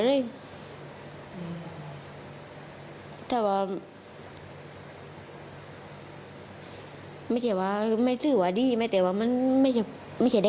เรื่องญาติมันก็คือปกติคงในมุบัน